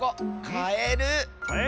カエル？